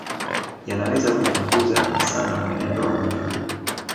Yanaweza kupunguza sana mwenendo wa ugonjwa huu